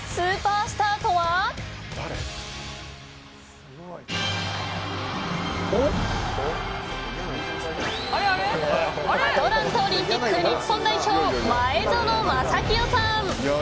アタランタオリンピック日本代表前園真聖さん。